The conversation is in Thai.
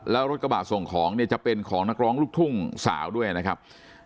แล้วรถกระบะส่งของเนี่ยจะเป็นของนักร้องลูกทุ่งสาวด้วยนะครับ